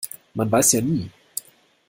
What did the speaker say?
Man weiß ja nie.